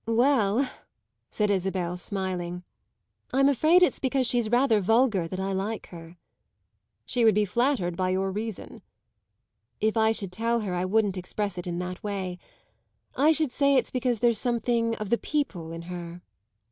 "Well," said Isabel, smiling, "I'm afraid it's because she's rather vulgar that I like her." "She would be flattered by your reason!" "If I should tell her I wouldn't express it in that way. I should say it's because there's something of the 'people' in her."